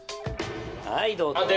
はい、どうぞ。